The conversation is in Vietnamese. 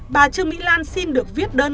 bà trương mỹ lan xin được viết đơn